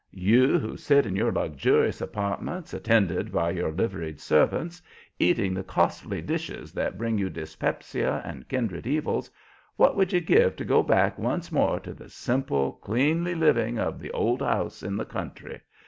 You who sit in your luxurious apartments, attended by your liveried servants, eating the costly dishes that bring you dyspepsia and kindred evils, what would you give to go back once more to the simple, cleanly living of the old house in the country?